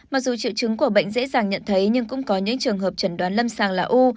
mặc dù triệu chứng của bệnh dễ dàng nhận thấy nhưng cũng có những trường hợp chẩn đoán lâm sàng là u